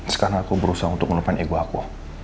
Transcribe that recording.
sekarang aku berusaha untuk melupakan ego aku